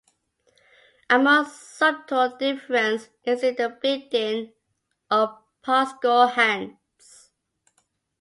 A more subtle difference is in the bidding of partscore hands.